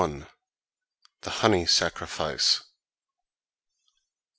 THE HONEY SACRIFICE.